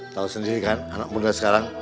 tahu sendiri kan anak muda sekarang